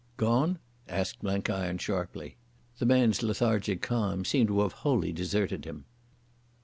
"Gone?" asked Blenkiron sharply. The man's lethargic calm seemed to have wholly deserted him.